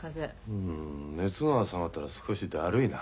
うん熱が下がったら少しだるいな。